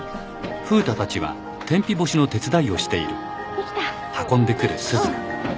できた。